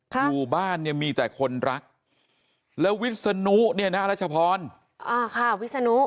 หมู่บ้านเนี่ยมีแต่คนรักแล้ววิศนุเนี่ยนะรัชพรอ่าค่ะวิศนุ